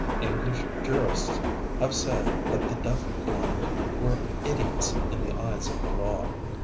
English jurists had said that the deaf blind were idiots in the eyes of the law.